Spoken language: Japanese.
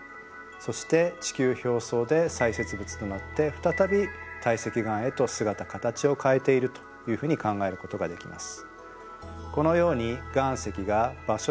そして地球表層で砕屑物となって再び堆積岩へと姿形を変えているというふうに考えることができます。